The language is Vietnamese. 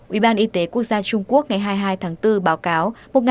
ủy ban y tế quốc gia trung quốc ngày hai mươi hai tháng bốn báo cáo